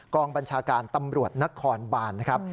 กองบัญชาการตำรวจนครบานนะครับ